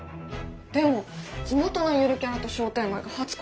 でも地元のゆるキャラと商店街が初コラボだよ？